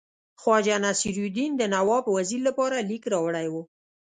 خواجه نصیرالدین د نواب وزیر لپاره لیک راوړی وو.